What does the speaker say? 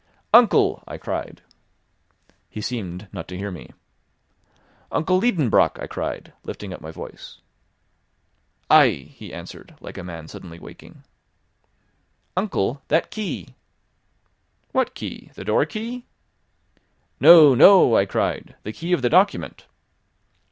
"Uncle!" I cried. He seemed not to hear me. "Uncle Liedenbrock!" I cried, lifting up my voice. "Ay," he answered like a man suddenly waking. "Uncle, that key!" "What key? The door key?" "No, no!" I cried. "The key of the document."